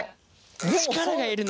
力がいるな。